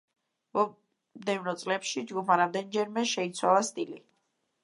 მომდევნო წლებში ჯგუფმა რამდენიმეჯერ შეიცვალა სტილი.